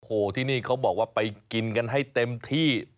โอ้โหที่นี่เขาบอกว่าไปกินกันให้เต็มที่